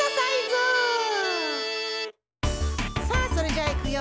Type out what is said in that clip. さあそれじゃあいくよ！